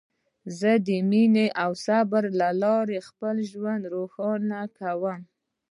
زه د مینې او صبر له لارې خپل ژوند روښانه کوم.